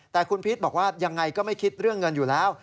แต่คุณพีชบอกว่ายังไงก็ไม่คิดเรื่องเงินอยู่แล้ว